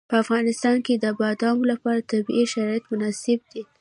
په افغانستان کې د بادامو لپاره طبیعي شرایط مناسب دي.